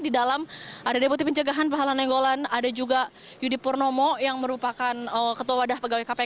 di dalam ada deputi pencegahan pahala nenggolan ada juga yudi purnomo yang merupakan ketua wadah pegawai kpk